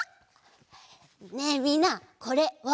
ねえみんなこれわかる？